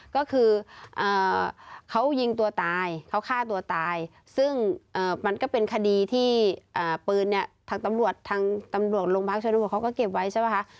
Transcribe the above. ก็คือเขายิงตัวตายเขาฆ่าตัวตายซึ่งมันก็เป็นคดีที่ปืนเนี่ยทางตำรวจทางตำรวจโรงพักชนบทเขาก็เก็บไว้ใช่ป่ะคะ